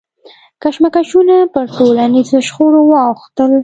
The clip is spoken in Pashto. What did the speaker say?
کشمکشونه پر ټولنیزو شخړو واوښتل.